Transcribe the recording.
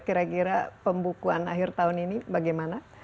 kira kira pembukuan akhir tahun ini bagaimana